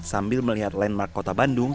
sambil melihat landmark kota bandung